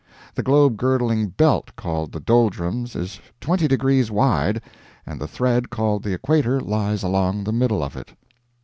The globe girdling belt called the doldrums is 20 degrees wide, and the thread called the equator lies along the middle of it.